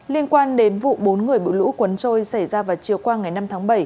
liên quan đến vụ bốn người bị lũ cuốn trôi xảy ra vào chiều qua ngày năm tháng bảy